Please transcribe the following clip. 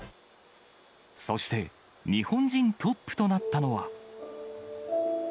そして、日本人トップとなったのは。